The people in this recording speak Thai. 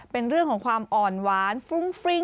เป็นเรื่องของความอ่อนหวานฟรุ้งฟริ้ง